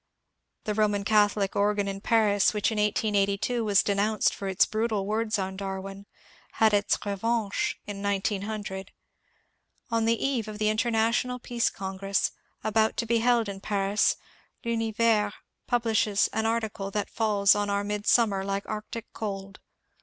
The Roman Catholic organ in Paris, which in 1882 was denounced for its brutal words on Darwin, has its reoanche in 1900. On the eve of the International Peace Congress, about to be held in Paris, ^' L'Univers " publishes an article that falls on our midsummer like Arctic cold.